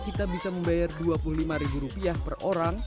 kita bisa membayar dua puluh lima per orang